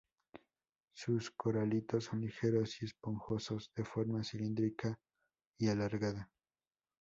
Sus coralitos son ligeros y esponjosos, de forma cilíndrica y alargada.